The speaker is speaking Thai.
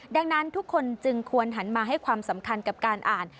ดังนั้นทุกคนจึงควรหันมาให้ความสำคัญกับการอ่าน